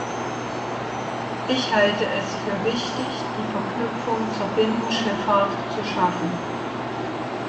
Ich halte es für wichtig, die Verknüpfung zur Binnenschifffahrt zu schaffen.